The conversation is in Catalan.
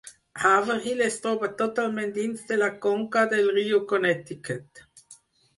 Haverhill es troba totalment dins de la conca del riu Connecticut.